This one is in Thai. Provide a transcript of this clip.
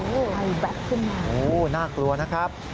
ใครแบะขึ้นมาโอ้โฮน่ากลัวนะครับ